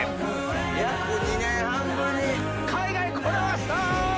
約２年半ぶりに海外来られました！